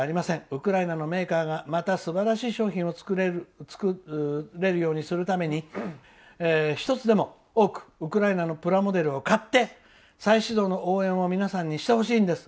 ウクライナのメーカーがまたすばらしい商品を作れるようにするために１つでも多くウクライナのプラモデルを買って再始動の応援をしてほしいです」。